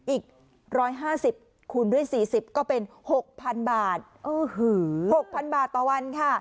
อีกร้อยห้าสิบคูณด้วยสี่สิบก็เป็นหกพันบาทเออหือหกพันบาทต่อวันค่ะ